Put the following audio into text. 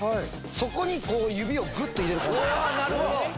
そこに指をぐっと入れる感じ。